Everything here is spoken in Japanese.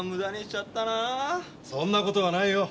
そんな事はないよ。